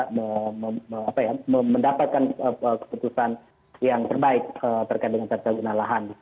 bagaimana kita menggunakan data itu kita bisa mendapatkan keputusan yang terbaik terkait dengan tata guna lahan